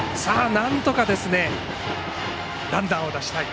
なんとかランナーを出したい。